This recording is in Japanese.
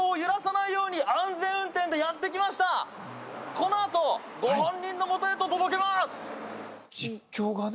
このあとご本人のもとへと届けます実況がね